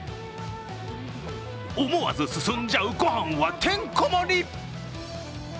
思わず進んじゃうごはんはてんこ盛り。